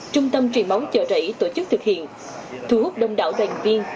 trung tâm truyền máu chợ rẫy tổ chức thực hiện thu hút đông đảo đoàn viên